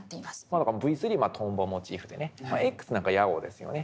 だからＶ３はトンボモチーフでねＸなんかはヤゴですよね。